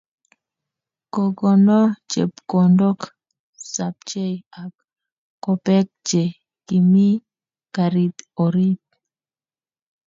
Kokono chepkondok sapchei ak kopek che kimii karit orit